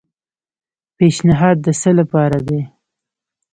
پیشنھاد د څه لپاره دی؟